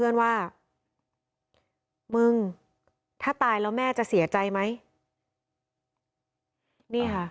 นี่ค่ะ